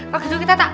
kok kedua kita tak